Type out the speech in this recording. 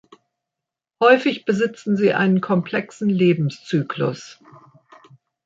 Häufig besitzen sie einen komplexen Lebenszyklus.